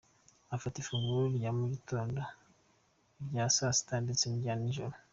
Afata ifunguro rya mugitondo, irya saa sita ndetse n’irya ninjoro.